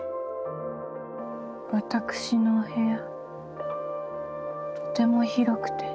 私のお部屋とても広くて。